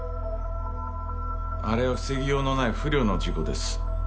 あれは防ぎようのない不慮の事故です。